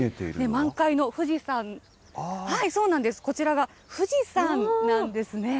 満開の富士山、そうなんです、こちらが富士山なんですね。